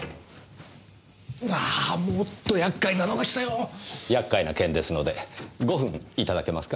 ああもっと厄介なのが来たよ！厄介な件ですので５分いただけますか？